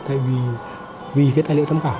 thay vì cái tài liệu tham khảo